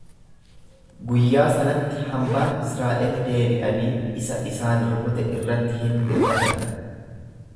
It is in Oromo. Guyyaa sanatti hambaan Israa'el deebi'anii isa isaan rukute irratti hin hirkatan.